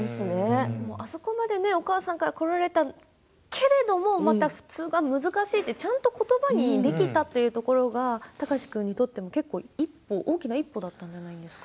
あそこまでお母さんからこられたけれども普通が難しいって、ちゃんと言葉にできたところが貴司君にとっても大きな一歩だったんじゃないですか？